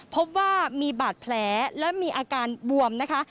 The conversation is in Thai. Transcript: พบว่ามีบาดแผลและมีอาการบวมนะคะ